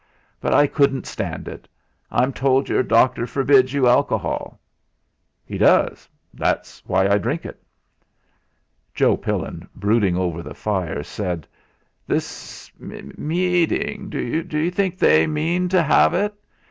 But I couldn't stand it. I'm told your doctor forbids you alcohol." "He does. That's why I drink it." Joe Pillin, brooding over the fire, said: "This meeting d'you think they mean to have it?